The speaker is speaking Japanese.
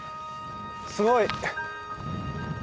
すごい！